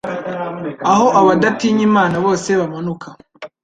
aho abadatinya Imana bose bamanuka